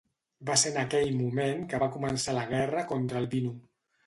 Va ser en aquell moment que va començar la guerra contra Albino.